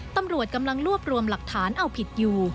ตำรวจกำลังรวบรวมหลักฐานเอาผิดอยู่